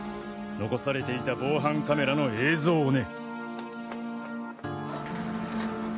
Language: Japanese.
残されていた防犯カメラの映像をね。